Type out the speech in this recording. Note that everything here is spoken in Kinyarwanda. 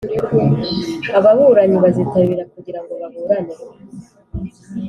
ababuranyi bazitabira kugira ngo baburane